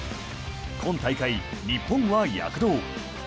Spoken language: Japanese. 今大会、日本は躍動。